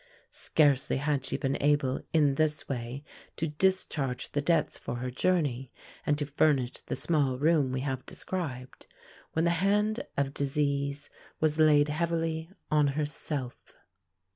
Scarcely had she been able, in this way, to discharge the debts for her journey and to furnish the small room we have described, when the hand of disease was laid heavily on herself.